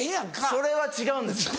それは違うんですよ。